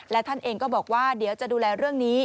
และท่านเองก็บอกว่าเดี๋ยวจะดูแลเรื่องนี้